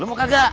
lu mau kagak